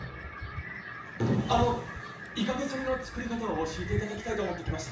あのイカゲソ煮の作り方を教えて頂きたいと思って来ました。